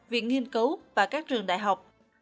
viện nghiên cấu và các trường đại học